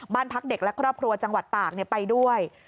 บ้านพักเด็กและครอบครัวจังหวัดตากไปด้วย